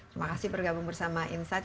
terima kasih bergabung bersama insight